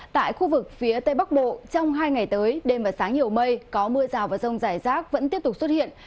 tại khu vực phía tây bắc bộ trong hai ngày tới đêm và sáng nhiều mây có mưa rào và rông rải rác vẫn tiếp tục xuất hiện